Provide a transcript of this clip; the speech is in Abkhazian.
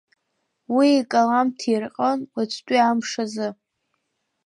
Уи икалам ҭирҟьон уаҵәтәи амш азы…